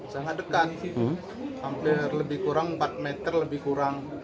sangat dekat sih hampir lebih kurang empat meter lebih kurang